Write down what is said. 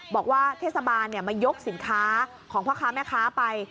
บอกว่าเทศบาลมายกสินค้าของพ่อค้าแม่ค้าไป